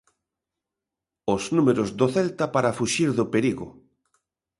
Os números do Celta para fuxir do perigo.